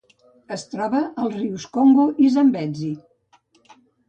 Es troba als rius Congo i Zambezi.